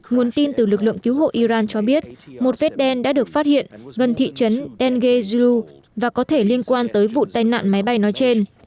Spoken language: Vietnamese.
nguồn tin từ lực lượng cứu hộ iran cho biết một vết đen đã được phát hiện gần thị trấn enge ju và có thể liên quan tới vụ tai nạn máy bay nói trên